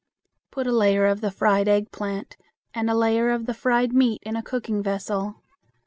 Put a layer of the fried eggplant and a layer of the fried meat in a cooking vessel.